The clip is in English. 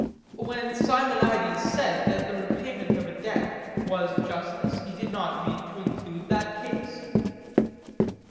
When Simonides said that the repayment of a debt was justice, he did not mean to include that case?